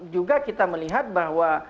juga kita melihat bahwa